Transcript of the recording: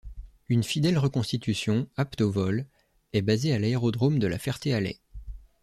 Une fidèle reconstitution, apte au vol, est basée à l’aérodrome de La Ferté-Alais.